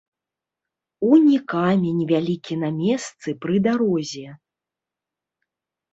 Унь і камень вялікі на месцы пры дарозе.